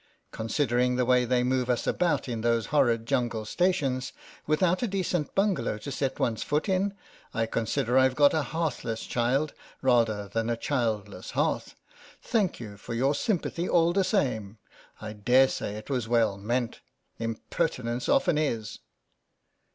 Considering the way they move us about in those horrid jungle stations, without a decent bungalow to set one's foot in, I consider I've got a hearthless child, rather than a childless hearth. Thank you for your sympathy all the same. I dare say it was well meant. Impertinence often is.